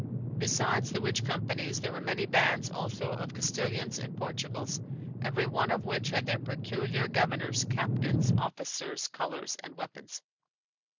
Besides the which companies, there were many bands also of Castilians and Portugals, every one of which had their peculiar governours, captains, officers, colours, and weapons."